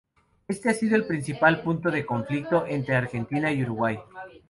Este ha sido el principal punto de conflicto entre Argentina y Uruguay.